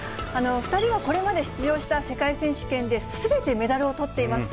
２人は、これまで出場した世界選手権で、すべてメダルをとっています。